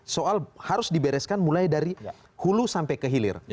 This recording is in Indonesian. soal harus dibereskan mulai dari hulu sampai kehilir